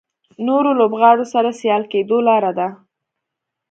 نورو لوبغاړو سره سیال کېدو لاره ده.